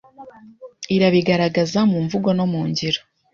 irabigaragaza mu mvugo no mu ngiro